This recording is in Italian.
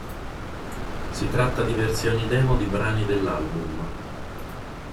Si tratta di versioni demo di brani dell'album.